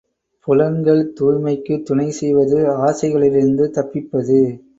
புலன்கள் தூய்மைக்குத் துணை செய்வது ஆசைகளிலிருந்து தப்பிப்பது.